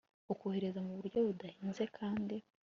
ukorohereza mu buryo budahenze kandi